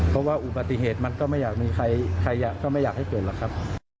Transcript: เพราะว่าอุบัติเหตุมันก็ไม่อยากให้เกิดหรอกครับ